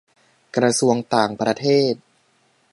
-กระทรวงต่างประเทศ